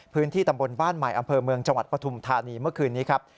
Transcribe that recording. พื้นที่ตำบลบ้านใหม่อำเภอเมืองจังหวัดปฐุมธานีเมื่อคืนนี้ครับ